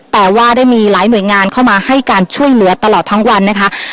แต่ว่าได้มีหลายหน่วยงานเข้ามาให้การช่วยเหลือตลอดทั้งวันนะคะ